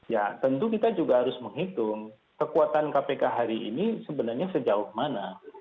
ya tentu kita juga harus menghitung kekuatan kpk hari ini sebenarnya sejauh mana